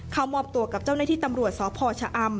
เข้ามอบตัวกับเจ้าหน้าที่ตำรวจสพชะอำ